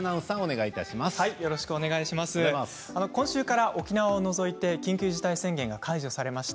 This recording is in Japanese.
今週から沖縄を除いて緊急事態宣言が解除されました。